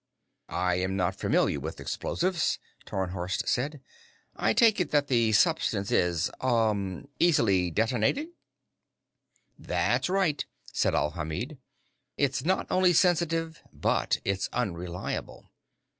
"I am not familiar with explosives," Tarnhorst said. "I take it that the substance is ... er ... easily detonated?" "That's right," said Alhamid. "It's not only sensitive, but it's unreliable.